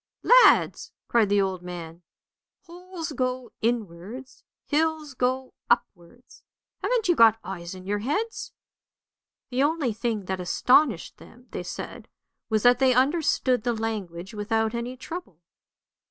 "Lads!" cried the old man, "holes go inwards, hills go upwards! Haven't you got eyes in your heads? " The only thing that astonished them, they said, was that they understood the language without any trouble.